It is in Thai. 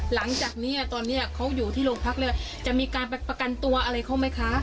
หลังจากนี้ตอนนี้เขาอยู่ที่โรงพักแล้วจะมีการประกันตัวอะไรเขาไหมคะ